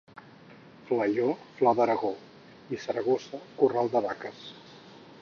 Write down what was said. Faió, flor d'Aragó; i Saragossa, corral de vaques.